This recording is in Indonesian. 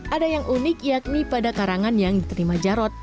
ada yang unik yakni pada karangan yang diterima jarod